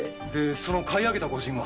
その買いあげたご仁は？